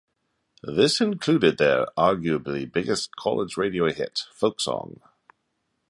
This included their arguably biggest college radio hit, "Folk Song".